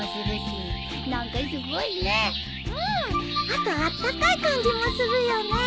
あとあったかい感じもするよね。